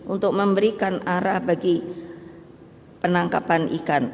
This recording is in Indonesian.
untuk memberikan arah bagi penangkapan ikan